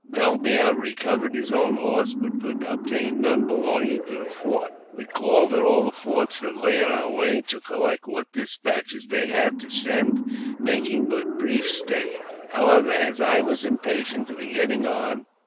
Bellemaire recovered his own horses, but could obtain none belonging to the fort. We called at all the forts that lay in our way, to collect what despatches they had to send, making but brief stay, however, as I was im patient to be getting on.